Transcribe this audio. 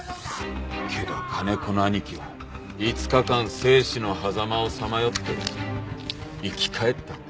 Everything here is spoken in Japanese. けど金子の兄貴は５日間生死のはざまをさまよって生き返った。